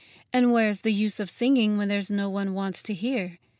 And where's the use of singing, when there's no one wants to hear?